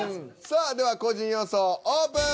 さあでは個人予想オープン！